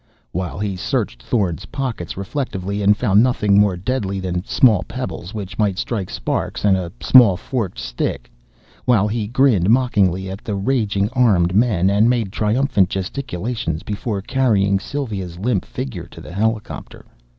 While he searched Thorn's pockets reflectively and found nothing more deadly than small pebbles which might strike sparks, and a small forked stick. While he grinned mockingly at the raging armed men and made triumphant gesticulations before carrying Sylva's limp figure to the helicopter.